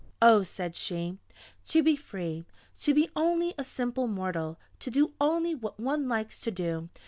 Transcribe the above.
"Oh!" said she, "to be free! to be only a simple mortal! To do only what one likes to do!